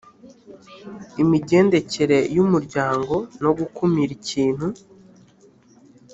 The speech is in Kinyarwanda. imigendekere y umuryango no gukumira ikintu